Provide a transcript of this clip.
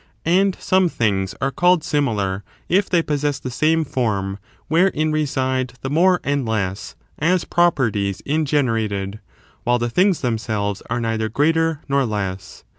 And some things are called similar if they possess the same form wherein reside the more and less, as properties ingenerated, while the things themselves are neither greater nor less.